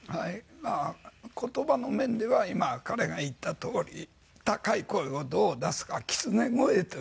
まあ言葉の面では今彼が言ったとおり高い声をどう出すか狐声というんですが。